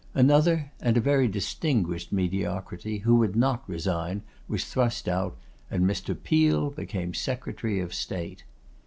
Another, and a very distinguished Mediocrity, who would not resign, was thrust out, and Mr. Peel became Secretary of State.